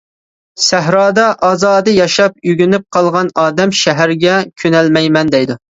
سەھرادا ئازادە ياشاپ ئۆگىنىپ قالغان ئادەم شەھەرگە كۆنەلمەيمەن، دەيدۇ.